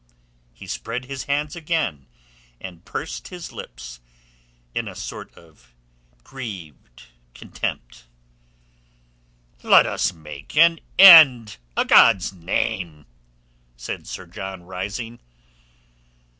He spread his hands again and pursed his lips in a sort of grieved contempt. "Let us make an end, a' God's name!" said Sir John, rising.